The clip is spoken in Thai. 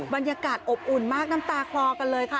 บรรยากาศอบอุ่นมากน้ำตาคลอกันเลยค่ะ